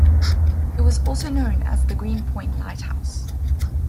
It was also known as the Green Point Lighthouse.